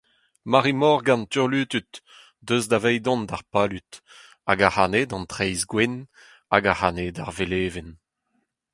Mari-Morgan, turlutud, Deus davedon d’ar Palud, Hag ac’hane d’an Traezh-gwenn Hag ac’hane d’ar Velevenn!